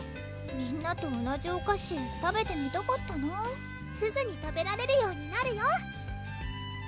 みんなと同じお菓子食べてみたかったなすぐに食べられるようになるよ